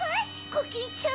コキンちゃん。